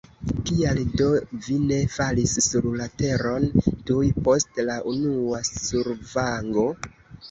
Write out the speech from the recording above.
Kial do vi ne falis sur la teron tuj post la unua survango?